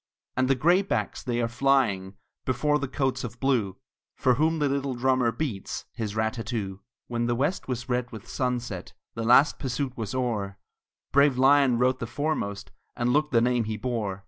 And the graybacks they are flying Before the coats of blue, For whom the little drummer beats His rat tat too. When the west was red with sunset, The last pursuit was o'er; Brave Lyon rode the foremost, And looked the name he bore.